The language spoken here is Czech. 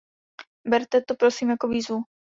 Berte to prosím jako výzvu.